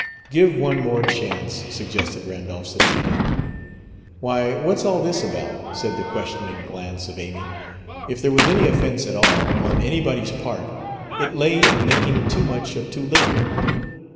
"Give one more chance," suggested Randolph sedately. "Why, what's all this about?" said the questioning glance of Amy. If there was any offense at all, on anybody's part, it lay in making too much of too little.